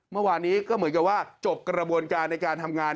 เมื่อวานนี้ก็เหมือนกับว่าจบกระบวนการในการทำงาน